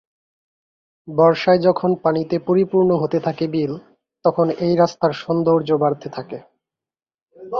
বর্ষায় যখন পানিতে পরিপূর্ণ হতে থাকে বিল, তখন এই রাস্তার সৌন্দর্য বাড়তে থাকে।